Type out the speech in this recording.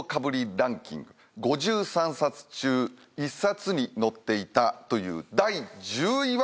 ランキング５３冊中１冊に載っていたという第１０位は。